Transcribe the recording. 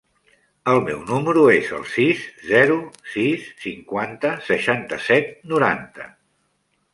El meu número es el sis, zero, sis, cinquanta, seixanta-set, noranta.